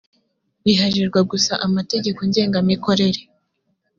biharirwa gusa amategeko ngenga mikorere